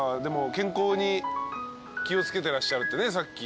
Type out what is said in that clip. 健康に気を付けてらっしゃるってさっき。